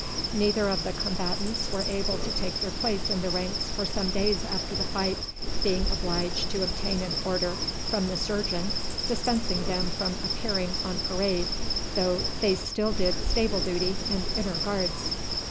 Neither of the combatants were able to take their place in the ranks for some days after the fight, being obliged to obtain an order from the surgeon dispensing them from appearing on parade, though they still did stable duty and inner guards.